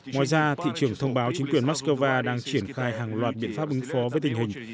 ngoài ra thị trường thông báo chính quyền mắc cơ va đang triển khai hàng loạt biện pháp ứng phó với tình hình